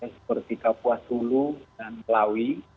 seperti kapuas hulu dan melawi